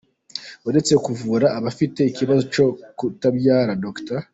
Uretse kuvura abafite ikibazo cyo kutabyara, Dr.